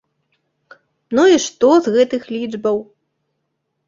Ну і што з гэтых лічбаў?